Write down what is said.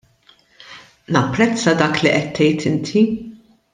Napprezza dak li qed tgħid inti.